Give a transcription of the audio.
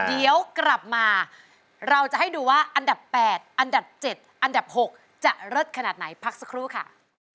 เดี๋ยวกลับมาเราจะให้ดูว่าอันดับ๘อันดับ๗อันดับ๖จะเลิศขนาดไหนพักสักครู่ค่ะ